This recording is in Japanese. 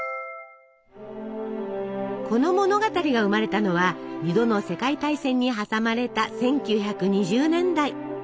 この物語が生まれたのは２度の世界大戦に挟まれた１９２０年代。